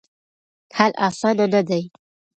حل اسانه نه دی.